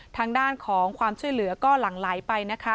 ทางด้านของความช่วยเหลือก็หลั่งไหลไปนะคะ